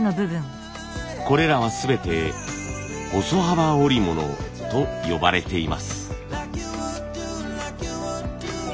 これらは全て細幅織物と呼ばれています。